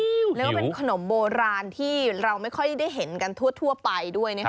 เรียกว่าเป็นขนมโบราณที่เราไม่ค่อยได้เห็นกันทั่วไปด้วย